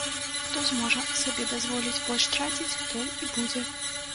Хто зможа сабе дазволіць больш траціць, той і будзе.